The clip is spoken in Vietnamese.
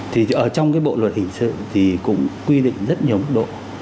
thì ở trong cái bộ luật hình sự thì cũng quy định rất nhiều mức độ